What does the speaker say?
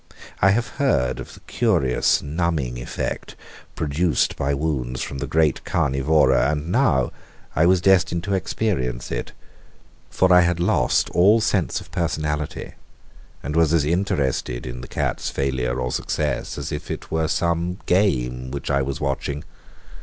I have heard of the curious numbing effect produced by wounds from the great carnivora, and now I was destined to experience it, for I had lost all sense of personality, and was as interested in the cat's failure or success as if it were some game which I was watching.